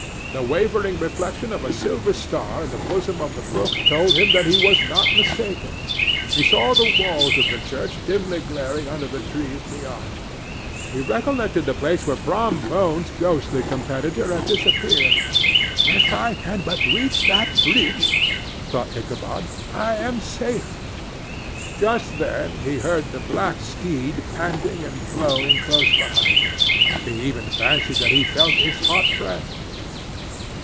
The wavering reflection of a silver star in the bosom of the brook told him that he was not mistaken. He saw the walls of the church dimly glaring under the trees beyond. He recollected the place where Brom Bones's ghostly competitor had disappeared. "If I can but reach that bridge," thought Ichabod, "I am safe." Just then he heard the black steed panting and blowing close behind him; he even fancied that he felt his hot breath.